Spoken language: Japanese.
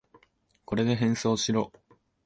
これで変装しろ。